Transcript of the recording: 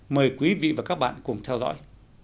mời quý vị và các bạn cùng theo dõi